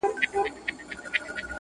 زما په شعر کره کتنې کوي